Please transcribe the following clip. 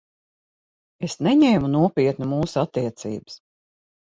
Es neņēmu nopietni mūsu attiecības.